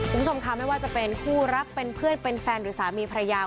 คุณผู้ชมค่ะไม่ว่าจะเป็นคู่รักเป็นเพื่อนเป็นแฟนหรือสามีภรรยา